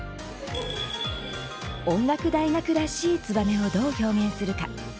音楽大学らしい「ツバメ」をどう表現するか。